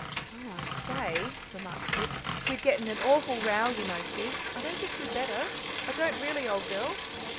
"Oh, I say," remarked Pip, "we'll get in an awful row, you know, Fizz. I don't think we'd better I don't really, old girl."